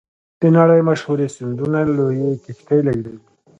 د نړۍ مشهورې سیندونه لویې کښتۍ لیږدوي.